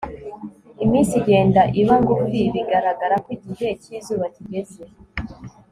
iminsi igenda iba ngufi bigaragara ko igihe cyizuba kigeze